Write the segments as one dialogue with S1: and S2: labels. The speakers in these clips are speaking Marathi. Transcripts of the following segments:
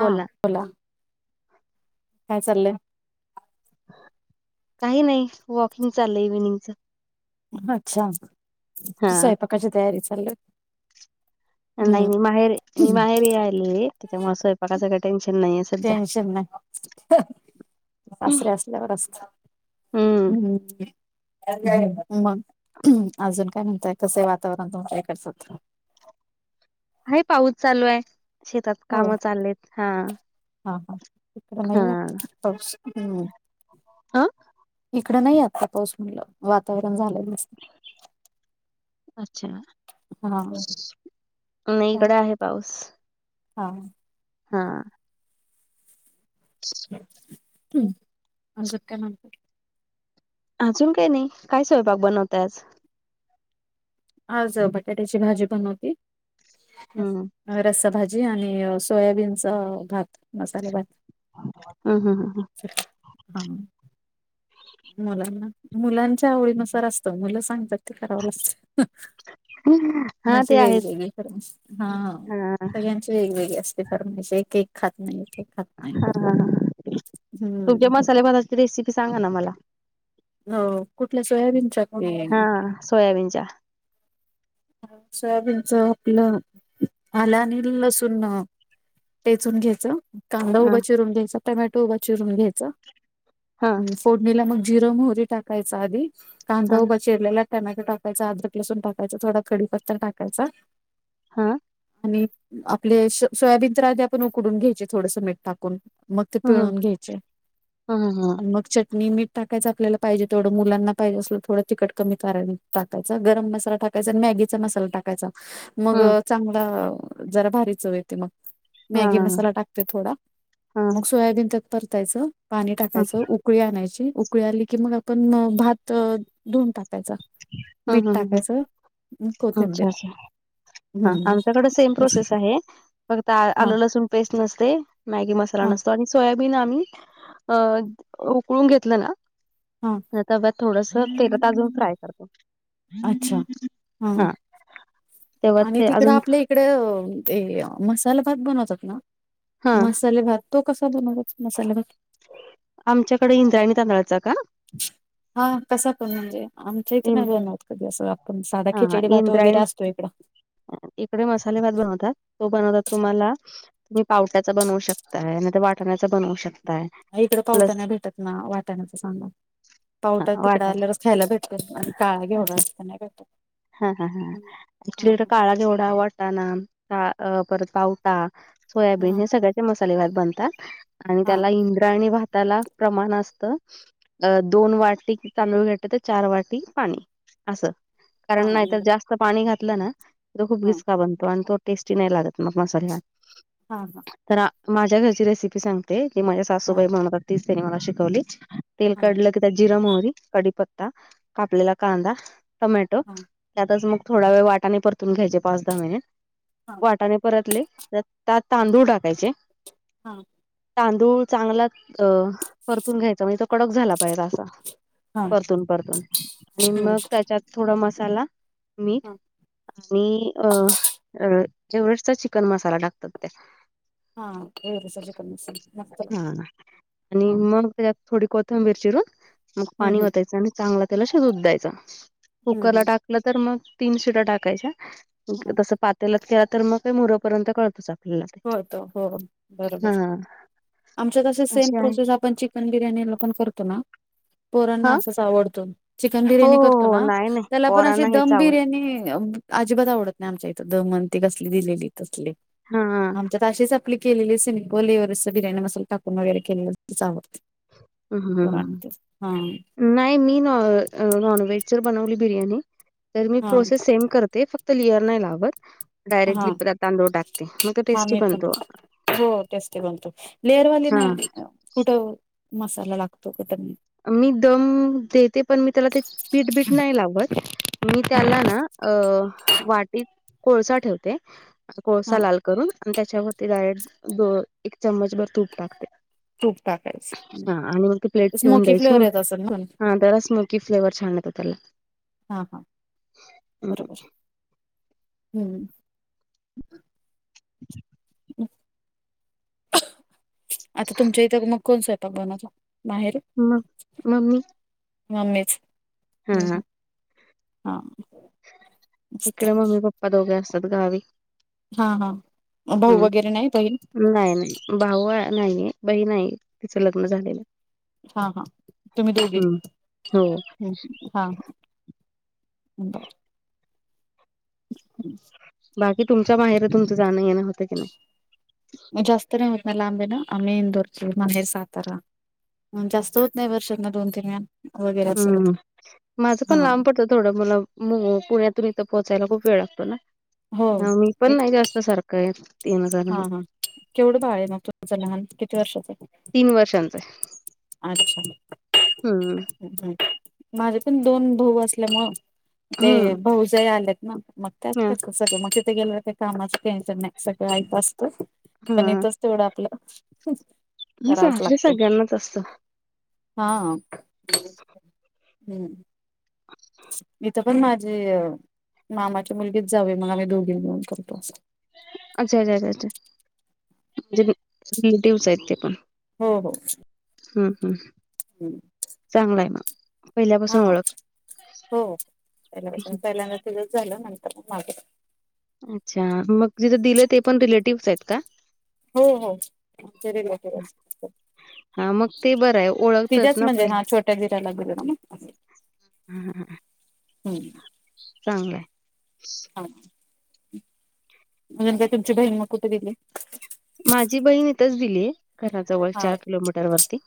S1: हा बोला काय चाललंय
S2: काही नाही वॉकिंग चाललंय इव्हिनिंगच
S1: अच्छा
S2: हा
S1: आमची स्वयंपाकाची तयारी चालले
S2: नाही मी माहेर मी माहेर आली त्याच्यामुळे स्वयंपाकाचं काही टेन्शन नाही
S1: टेन्शन नाही सासरी असल्यावर असत
S2: हम्म.
S1: हू मग अजून काय म्हणताय कस हाय वातावरण तुमच्या इकडच
S2: आहे पाऊस चालू आहे शेतात
S1: हो
S2: कामं चाललेत हा
S1: हा हा ईकडे
S2: हा
S1: नाही आता पाऊस नो
S2: आ
S1: इकड नाही आत्ता पाऊस म्हणलं वातावरण झालंय नुसत
S2: अच्छा
S1: हा
S2: नाही इकड आहे पाऊस
S1: हा हा
S2: हा [inaudible]
S1: हू अजून काय म्हणताय
S2: अजून काय नाही काय स्वयंपाक बनवताय आज
S1: आज बटाट्याची भाजी बनवते
S2: हू
S1: रस्सा भाजी आणि सोयाबीनच भात मसाले भात
S2: हू हू हू हू
S1: हा मुलांना मुलांच्या आवडीनुसार असतं मुलं सांगतात ते करावं लागते
S2: हम्म हा ते
S1: कुणाचे
S2: आहेत
S1: वेगवेगळे फर्माईश हा सगळ्यांची वेगवेगळे असते. फरमायची एक एक खात नाही एक खात नाही
S2: हा ह तुमच्या
S1: हम्म
S2: मसाले भाताची रेसिपी सांगा ना मला?
S1: हो कुठल्या सोयाबीनच्या का?
S2: हा सोयाबीनच्या.
S1: सोयाबीनच आपलं आलं आनि लसुण, टेचून घ्यायच, कांदा
S2: हा
S1: उभा चिरून घ्यायचा, टोमॅटो उभा चिरून घ्यायचा,
S2: हा
S1: फोडणीला मग जिर मोहरी टाकायचा आधी
S2: हा
S1: कांदा उभा चिरलेला टोमॅटो टाकायचा, अदरक लसून टाकायचा, थोडा कडीपत्ता टाकायचा.
S2: हा
S1: आणि, आपले सोयाबीनच्या आधी आपण उकडून घ्यायचे थोडसं मीठ टाकून. मग ते
S2: ह
S1: पिळून घ्यायचे
S2: ह ह
S1: आणि मग चटणी, मीठ, टाकायचं आपल्याला पाहिजे तेवड, मुलाना पाहिजे असल थोडं तिकट कमी टाकायचा गरम मसाला टाकायचा. मॅगीचा मसाला टाकायचा, मग
S2: ह
S1: चांगला जरा भारीचव येते मग.
S2: हा
S1: मॅगी
S2: हा
S1: मसाला टाकते थोडा,
S2: हा
S1: मग सोयाबीन त्यात परतायचं पाणी
S2: हा
S1: टाकायचं उक उकळी आणायची, उकळी आली की मग आपण भात धुऊन टाकायचा.
S2: हा
S1: मीठ
S2: हा हा
S1: टाकायचं.
S2: अच्छा!
S1: कोथिंबीर
S2: अच्छा! हा
S1: हम्म
S2: आमच्याकडे सेम प्रोसेस आहे फक्त
S1: हा
S2: आलं लसुन, पेस्ट नसते, मॅगी मसाला
S1: हा
S2: नसतो आणि सोया बिन आम्ही अ उकळून घेतलं ना.
S1: हा [inaudible]
S2: त तव्यात थोडंसं तेलात आजून फ्राय करतात.
S1: अच्छा! हा
S2: तेव्हा
S1: आणि
S2: ते
S1: तिकडं
S2: अजून
S1: आपले, इकडे ते मसाला भात बनवतात ना,
S2: हा
S1: मसाले भात- तो कसा बनवतात मसाले भात? तो
S2: आमच्याकडे इंद्रायणी तांदळाचा का-
S1: हा कसा पण राहते. आमच्या इथं
S2: इन
S1: नाही बनवत कधी असं आपण साधा
S2: हा हा,
S1: खिचडी भात वगैरे
S2: इंद्रायणी
S1: असतो इकडं,
S2: इकडे मसाले भात बनवतात तो बनवतात तुम्हाला तुम्ही पावट्याचा बनवू शकताय, नाहीतर वाटण्याचा बनवू शकताय.
S1: इकडं पावटा
S2: प्लस
S1: नाही भेटत ना, वाटाण्याचा सांगा
S2: हा
S1: पावटा तिकडे
S2: वाटाणा
S1: आल्यावरच खायला भेटतोय.
S2: अच्छा हा हा आमच्या इकडे
S1: हा
S2: काळा घेवडा, वाटाणा, आ अ परत पावटा, सोयाबीन
S1: हा
S2: हे सगळ्याचे मसाले भात बनतात. आणि
S1: हा
S2: त्याला इंद्रायणी भाताला, प्रमाण असतं, दोन वाटी तांदूळ घेतलं तर चार वाट टि पाणी असं,
S1: हा
S2: कारण
S1: हा
S2: नाहीतर जास्त पाणी घातलं ना- तो खूप
S1: हा
S2: घिचका बनतो आणि तो टेस्टी नाही लागत मग मसाले भात.
S1: हा का
S2: तर आ माझ्या घरची रेसिपी सांगते, ते माझ्या
S1: हा
S2: सासूबाई बनवतात तीच त्यांनी मला शिकवली. तेल
S1: हा
S2: कढलं की त्यात जिरा मोहरी, कडीपत्ता, कापलेला कांदा, टोमॅटो,
S1: हा
S2: त्यांचंच मग थोडा वेळ वाटाने परतून घ्यायचे पाच दहा मिनिटं.
S1: [unintelligible]
S2: वाटाने परतले त्यात तांदूळ टाकायचे.
S1: हां
S2: तांदूळ चांगला अ परतून घ्यायचा म्हणजे तो कडक झाला पाहिजेत, असा
S1: हा हा
S2: परतून परतून आणि मग त्यात त्यात थोडा मसाला मीठ आणि अ अ एव्हरेस्ट चा चिकन मसाला टाकतात त्याला
S1: हा एव्हरेस्टचा चिकन मसाला
S2: हा आणि मग त्याच्यात थोडी कोथंबीर चिरून मग पाणी
S1: हम्म
S2: वतायचं आणि चांगलं तेला शिजून द्यायचा
S1: हम्म
S2: कुकरला टाकलं तर मग तीन शिट्ट्या टाकायच्या
S1: हम्म
S2: तसं पातेल्यात केला तर मग काय मुरेपर्यंत करत बसा
S1: होत हो बरोबर आमच्यात असं सेम
S2: अशी आहे
S1: प्रोसेस आपण चिकन बिर्याणीला पण करतो ना पोरांना
S2: हा
S1: असंच आवडत चिकन
S2: हो
S1: बिर्याणी
S2: हो
S1: करतो
S2: हो
S1: ना
S2: नाही नाही
S1: त्याला पण अशी
S2: पोरांना हेच
S1: दम
S2: आवड
S1: बिर्याणी अजिबात आवडत नाही आमच्या इथं दमन ते कसली दिलेली तसली
S2: हा हा
S1: आमच्यात अशीच आपली केलेली सिम्पल एव्हरेस्टचा बिर्याणी मसाला टाकून वगैरे केलेली तीच आवडते पोरांना
S2: [unintelligible]
S1: ते हा
S2: नाही मी न नॉनव्हेज जर बनवली बिर्याणी तर मी
S1: हा
S2: प्रोसेस सेम करते फक्त लेयर नाही लावत
S1: हा
S2: डायरेक्टली प्रत तांदूळ टाकते म ते
S1: हा
S2: टेस्टी
S1: मी पण
S2: बनतो
S1: हो टेस्टी बनतं लेअर वाली ना
S2: हां.
S1: कुठं मसाला लागतो कुठ
S2: मी दम देते पण मी त्याला ते पीठ बीट नाय लावत मी त्याला ना अ वाटीत कोळसा ठेवते अस कोळसा
S1: हा
S2: लाल करून आणि त्याच्यावरती डायरेक्ट दो एक चमच भर तूप टाकते
S1: तूप टाकायचं
S2: हां आणि मग ती प्लेट
S1: ते स्मो
S2: ठेवून
S1: की फ्लेवर
S2: द्यायची.
S1: येत असलं
S2: हां, त्याला स्मोकी फ्लेवर छान येतो त्याला.
S1: हा हा
S2: हं.
S1: बरोबर हू आता तुमच्या इथं मग कोण स्वयंपाक बनवत माहेरी
S2: मग मम्मी
S1: मम्मीच हू
S2: हां,
S1: हू हा मस्त
S2: इकडे मम्मी पप्पा दोघे असतात गावी
S1: हा हा भाऊ
S2: हं.
S1: वगैरे नाही बहिण
S2: नाही नाही भाऊ नाहीये बहीण आहे तिचं लग्न झालेलं
S1: हा हा तुम्ही दोघी
S2: हो
S1: हू हा [inaudible]
S2: बाकी तुमच्या माहेरी तुमचं जाणं येणं होतं की नाही
S1: जास्त नाही होत ना लांब हाय ना आम्ही इंदोरचे माहेर सातारा मग जास्त होत नाही वर्षातन दोन-तीन वेळा वगैरे असं होत
S2: हू माझं
S1: हा
S2: पण लांब पडतं थोडं मला मग पुण्यातून इथं पोहोचायला खूप वेळ लागतो ना
S1: हो
S2: ह मी पण
S1: एक-
S2: नाही जास्त सारखं येत तीनजान
S1: केवढ बाळ आहे मग तुमचं लहान किती वर्षाच हाय
S2: तीन वर्षांचं हाय
S1: अच्छा माझे पण दोन भाऊ असल्यामुळ ते
S2: हम्म
S1: भाऊजय आलेत ना मग
S2: हा
S1: त्यात सगळ मग तिथे गेल्या काही कामाचं टेन्शन नाही सगळं आयत असतं पण
S2: हा
S1: इथच तेवढं आपलं [unintelligible]
S2: [unintelligible] सगळ्यांनाच तसं
S1: हा्
S2: [inaudible]
S1: इथं पण माझी अ मामाच्या मुलगीच जावे मग आम्ही दोघी मिळुन करतो.
S2: अच्छा अच्छा अ्छा अ्छा म्हणजे रिलेटिव्हस आहेत ते
S1: हो हो
S2: हम् हम
S1: हम्
S2: चांगलाय ना.
S1: हा हो, पण पहिल्यांदा तिथंच झालं नंतर मग माझं -
S2: अच्छा मग जिथं दिले ते पण रिलेटिव्हस आहेत का?
S1: हो हो ते रिलेटिव्हस आहेत.
S2: हा मग ते बरं आहे ओळखतात ना. पहिल्या
S1: [unintelligible] छोट्या दिराला.
S2: हा चांगलय.
S1: [inaudible] [inaudible]
S2: माझी बहीण इथंच दिलीय घराजवळ
S1: हा
S2: चार किलोमीटर वरती.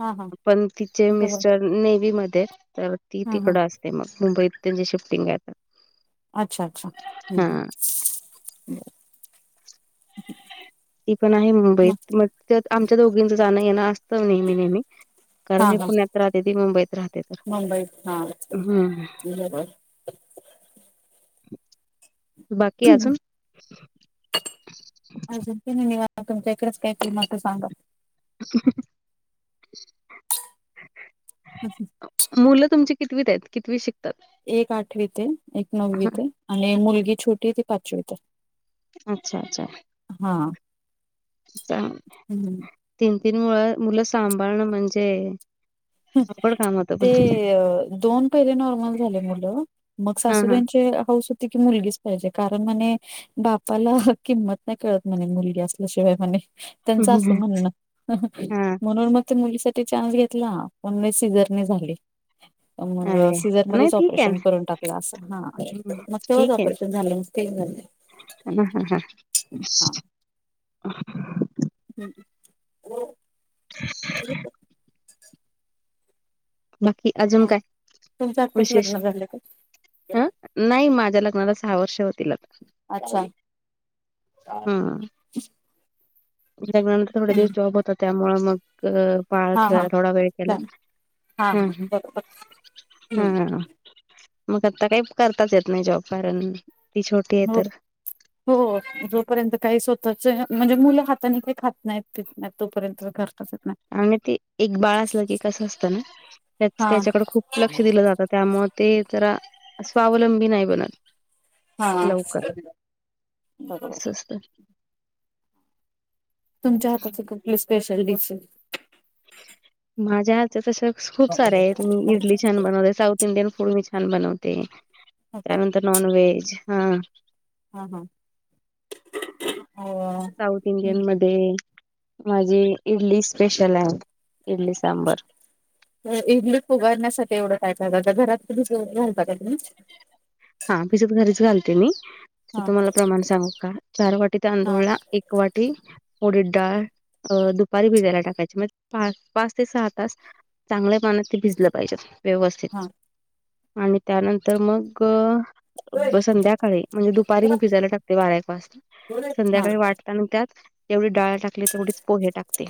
S1: हा हा
S2: पण तिचे
S1: जवळ
S2: मिस्टर नेवी मध्ये आहेत, तर ती
S1: हा हा
S2: तिकड असते. ते मग मुंबईत त्यांची शिफ्टिंग आहेत.
S1: अच्छा अच्छा बरं.
S2: ती पण आहे मुंबईत, मग आमच्या दोघींच जाणं येणं असतं नेहमी नेहमी.
S1: हा
S2: कारण मी
S1: हा
S2: पुण्यात राहते, ती मुंबईत राहते तर, हम्म
S1: बोला भाय [inaudible]
S2: बाकी अजून.
S1: अजून भी निवांत तुमच्या इकडेच [unintelligible] काय ते सांगा
S2: हं [inaudible]
S1: असंच
S2: मुलं तुमची कितवीत आहेत? कितवित शिक-
S1: एक आठवी ते एक नववी ते आणि मुलगी छोटी ती पाचवी ते.
S2: अच्छा अच्छा चांगलय. तीन तीन मुळ मुलं सांभाळणं म्हणजे, आपड कामत [inaudible]
S1: ते दोन पहिले नॉर्मल झाले मुलं. मग
S2: हा हा
S1: सासूबाईंचि हौस होती की मुलगीच पाहिजे कारण म्हणे बापाला किंमत नाही कळत म्हणे मुलगी असल्याशिवाय म्हणे त्यांच असं म्हणणं,
S2: हा
S1: म्हणून मग ते मुलीसाठी चान्स घेतला. [unintelligible] ही सिझर नी झाली
S2: हं [inaudible]
S1: मग सीझर मध्येच ऑपरेशन करून टाकला असं, हा
S2: ना
S1: मग तेव्हाच ऑपरेशन झालं मग तीन झाले.
S2: ह हा ह [inaudible]
S1: हम्म
S2: हा [inaudible]
S1: करू का [inaudible]
S2: बाकी अजून काय
S1: तुमच आत्ताच
S2: विशेष
S1: लग्न झालं का
S2: ह नाही माझ्या लग्नाला सहा वर्ष होतील
S1: अच्छा
S2: आता हा लग्नानंतर थोडे दिवस जॉब होता त्यामुळ मग तर बाळाला
S1: हा हा
S2: ठेवायला थोडा वेळ केला
S1: हा हा
S2: हू हू
S1: बरोबर
S2: हा मग आता काय करताच येत नाही जॉब कारण ती छोटी आहे
S1: हो
S2: तर
S1: हो जोपर्यंत काही स्वतःच म्हणजे मुलं हातानी काय खात नाहीत पित नाहीत तोपर्यंत करताच येत नाही
S2: आणि ते एक बाळ असलं की कस असतं ना त्या
S1: हा
S2: त्याच्याकड खूप लक्ष दिलं जातं त्यामुळ ते जरा स्वावलंबी नाही बनत
S1: हा
S2: लवकर अस
S1: बरोबर
S2: असत
S1: तुमच्या हाताचि कुठली स्पेशल डिश हाय
S2: माझ्या हातच्या तस खूप सारे आहेत मी इडली छान बनवते साऊथ इंडियन फूड मी छान बनवते
S1: का
S2: त्यानंतर नॉन व्हेज हा
S1: हा हा हो
S2: साऊथ इंडियन मध्ये माझी इडली स्पेशल आहे इडली सांबर
S1: इडली फुगवण्यासाठी एवढं काय काय घालता घरात भिजत घालत का तुम्ही
S2: हा भिजत घरीच घालते मी
S1: हा
S2: तुम्हाला प्रमाण सांगू का चार वाटी
S1: हा
S2: तांदूळला एक एक वाटी उडीड डाळ अ दुपारी भिजायला टाकायची म्हणजे पाच पाच ते सहा तास चांगल्या पाण्यात ते भिजलं पाहिजेत व्यवस्थित
S1: हा
S2: आणि त्यानंतर मग
S1: हा
S2: संध्याकाळी म्हणजे दुपारी मी भिजायला टाकते बारा एक वाजता संध्याकाळी वाट ताना त्यात जेवढी डाळ टाकली तेवढीच पोहे टाकते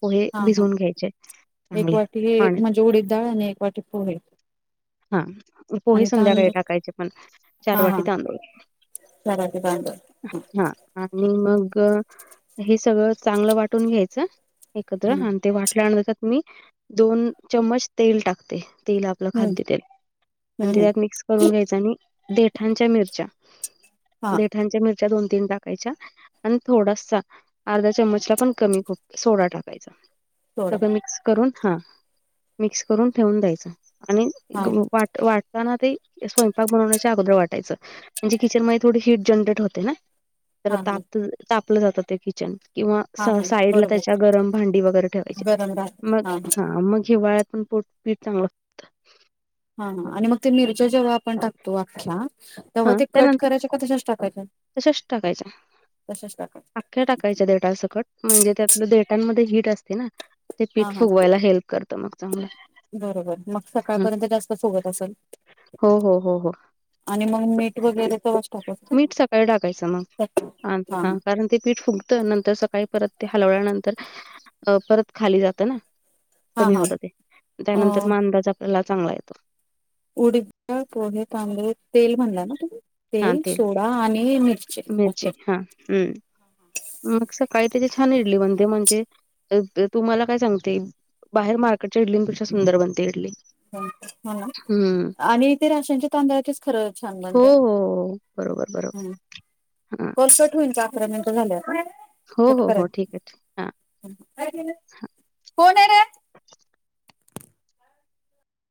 S2: पोहे
S1: हा हा
S2: भिजवून घ्यायचे
S1: एक
S2: चांगले
S1: वाटी हे
S2: पाण्यात
S1: म्हणजे उडीद डाळ आणि एक वाटी पोहे
S2: हा पोहे
S1: आणि
S2: संध्याकाळी
S1: तांदूळ
S2: टा कायचे पण चार
S1: हा हा
S2: वाटी तांदुळ
S1: चार वाटी तांदूळ
S2: हा आणि मग हे सगळं चांगल वाटून घ्यायचं एकत्र
S1: हम्म
S2: आणि ते वाटल्यानंतर मी दोन चमच तेल टाकते तेल आपलं
S1: हम्म
S2: खाद्य तेल
S1: हम्म
S2: आणि
S1: हम्म
S2: त्याज्यात मिक्स करून घ्यायच आणि देठांच्या मिरच्या
S1: हा
S2: देठांच्या मिरच्या दोन तीन टाकायच्या आणि थोडासा अर्धा चमचला पण कमी खुप सोडा टाकायचा
S1: सोडा
S2: सगळं मिक्स करून हा मिक्स करून ठेवून द्यायच आणि
S1: हा
S2: वाटताना ते स्वयंपाक बनवण्याच्या अगोदर वाटयचं म्हणजे किचन मध्ये थोडी हिट जनरेट होते ना जरा
S1: हा हा
S2: ताप तापलं जातं ते किचन किंवा स
S1: हा हा
S2: साईड ला त्याच्या
S1: बरोबर
S2: गरम भांडी वगैरे ठेवायची
S1: गरम राहते
S2: मग हा मग हे हीवाळ्यात पण पोट पीठ चांगलं होतं.
S1: हा हा आणि मग ते मिरच्या जेव्हा आपण टाकतो अख्या तेव्हा
S2: हा
S1: ते कट
S2: त्यानंतर
S1: करायचे का तशाच टाकायच्या
S2: तशाच टाकायच्या
S1: तशाच टाकायच्या
S2: अख्ख्या टाकायच्या देठा सकट म्हणजे त्यातलं देठामध्ये हिट असते ना ते
S1: हा
S2: पीठ
S1: हा
S2: फुगवायला हेल्प करतं मग चांगलंय
S1: बरोबर मग सकाळपर्यंत जास्त फुगत असल
S2: हो हो हो हो
S1: मीठ वगैरे तेव्हाच टाकायचं
S2: मीठ सकाळी टाकायचं ना हा कारण ते पीठ फुग नंतर सकाळी परत ते हलवल्या नंतर परत खाली जातं ना.
S1: हा
S2: कमी
S1: हा
S2: होत ते,
S1: हा
S2: त्यानंतर म अंदाज आपल्याला चांगला येतो.
S1: उडीद डाळ, पोहे, तांदुळ तेल म्हणला ना तो तेल सोडा आणि मिरची
S2: मिरची
S1: ओके.
S2: हा हम्म मग सकाळी त्याची छान इडली बनते, म्हणजे तुम्हाला काय सांगते. बाहेर मार्केटच्या इडलीं पेक्षा सुंदर बनते इडली.
S1: हा
S2: हम्म
S1: आणि तेे राशनच्या तांदळाचेच खरं छान
S2: हो
S1: बनते
S2: हो
S1: हा.
S2: हो. बरोबर बरोबर हा
S1: कॉल कट होईल का अकरा मिनटं झाल्यावर?
S2: हो
S1: कट
S2: हो हो
S1: करायचं.
S2: ठीक आहे. हा
S1: कोण आहे रे!